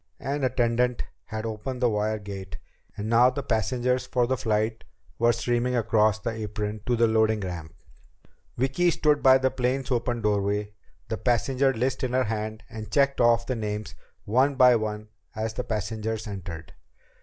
An attendant had opened the wire gate, and now the passengers for the flight were streaming across the apron to the loading ramp. Vicki stood by the plane's open doorway, the passenger list in her hand, and checked off the names one by one as the passengers entered.